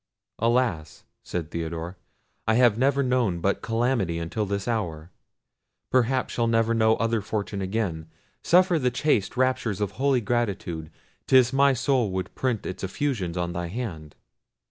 "Alas!" said Theodore, "I have never known but calamity until this hour—perhaps shall never know other fortune again: suffer the chaste raptures of holy gratitude: 'tis my soul would print its effusions on thy hand."